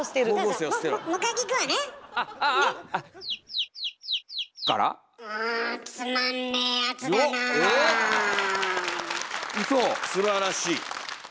すばらしい。